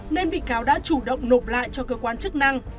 nên bị cáo đã chủ động nộp lại cho cơ quan chức năng